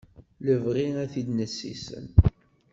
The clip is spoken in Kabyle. Lebɣi ad t-id-nessisen.